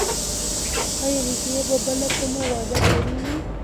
ایا هغې به بله کومه وعده کړې وي؟